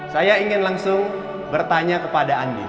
saya ingin langsung bertanya kepada andi